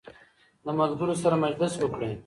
د ملګرو سره مجلس وکړئ.